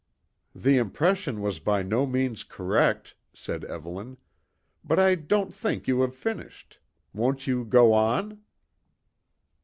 "The impression was by no means correct," said Evelyn. "But I don't think you have finished. Won't you go on?"